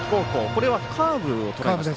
これはカーブをとらえましたか。